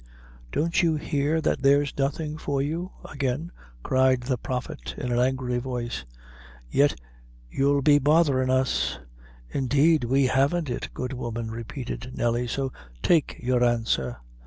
"Don't you hear that there's nothing for you?" again cried the prophet, in an angry voice; "yet you'll be botherin' us!" "Indeed, we haven't it, good woman," repeated Nelly; "so take your answer."